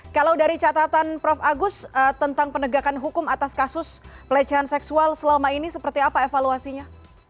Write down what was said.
kalau dari catatan prof agus tentang penegakan hukum atas kasus pelecehan seksual selama ini seperti apa evaluasinya